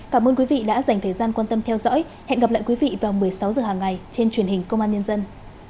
cảm ơn quý vị đã dành thời gian quan tâm theo dõi hẹn gặp lại quý vị vào một mươi sáu h hàng ngày trên truyền hình công an nhân dân